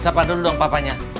sapa dulu dong papanya